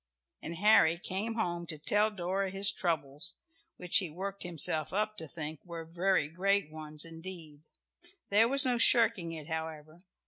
And Harry came home to tell Dora his troubles, which he worked himself up to think were very great ones indeed. There was no shirking it however.